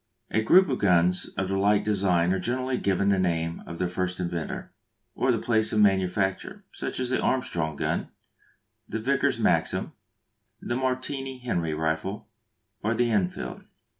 A group of guns of the like design are generally given the name of their first inventor, or the place of manufacture: such as the Armstrong gun, the Vickers Maxim, the Martini Henry rifle, or the Enfield.